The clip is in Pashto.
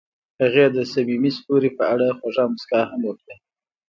هغې د صمیمي ستوري په اړه خوږه موسکا هم وکړه.